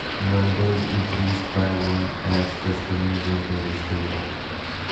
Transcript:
Numbers increase by one as customers enter the store.